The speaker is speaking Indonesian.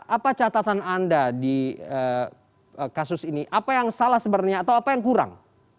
apa catatan anda di kasus ini apa yang salah sebenarnya atau apa yang kurang